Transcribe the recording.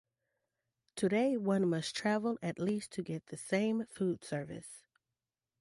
Today one must travel at least to get the same food service.